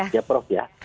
ya prof ya